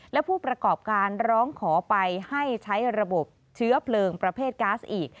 และผู้ประกอบการร้องขอไปให้ใช้ระบบเชื้อเพลิงประเภทก๊าซอีก